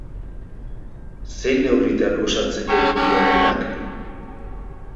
Zein neurritan osatzen gaitu iraganak?